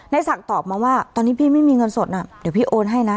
ศักดิ์ตอบมาว่าตอนนี้พี่ไม่มีเงินสดน่ะเดี๋ยวพี่โอนให้นะ